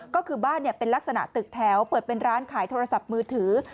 ก็คือบ้านเป็นลักษณะตึกแถวเปิดเป็นร้านขายโทรศัพท์มือถือ